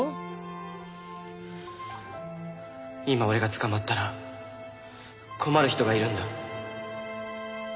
今俺が捕まったら困る人がいるんだ。